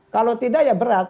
kalau tidak ya berat